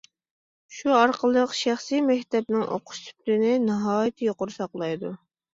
شۇ ئارقىلىق شەخسىي مەكتەپنىڭ ئوقۇش سۈپىتىنى ناھايىتى يۇقىرى ساقلايدۇ.